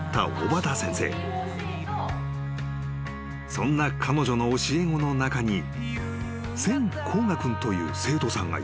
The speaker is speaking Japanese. ［そんな彼女の教え子の中に千皓雅君という生徒さんがいる］